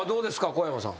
小山さん。